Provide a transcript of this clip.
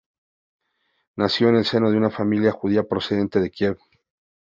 Nació en el seno de una familia judía procedente de Kiev.